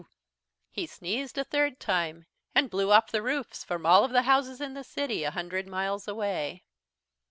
he sneezed a third time, and blew off the roofs from all the houses in the city, a hundred miles away.